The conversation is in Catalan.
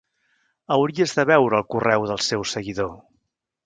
Hauries de veure el correu del seu seguidor!